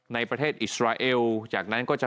ในประเทศอิสราเอลจากนั้นก็จะ